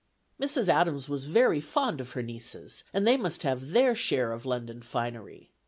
Mrs. Adams was very fond of her nieces, and they must have their share of London finery.